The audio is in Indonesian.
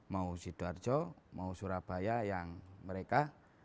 mau sidoarjo mau surabaya yang mereka